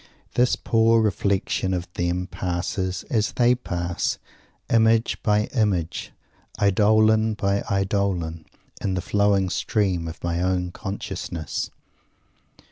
This poor reflection of them passes, as they pass, image by image, eidolon by eidolon, in the flowing stream of my own consciousness.